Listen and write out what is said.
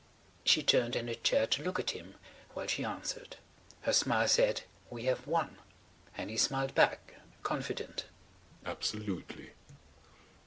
She turned in her chair to look at him while she answered. Her smile said: "We have won." And he smiled back, confident: "Absolutely."